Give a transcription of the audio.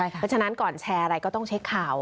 เพราะฉะนั้นก่อนแชร์อะไรก็ต้องเช็คข่าว